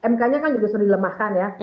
mk nya kan juga sudah dilemahkan ya